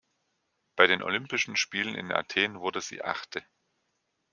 Bei den Olympischen Spielen in Athen wurde sie Achte.